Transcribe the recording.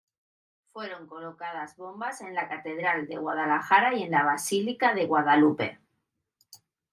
Fueron colocadas bombas en la catedral de Guadalajara y en la basílica de Guadalupe.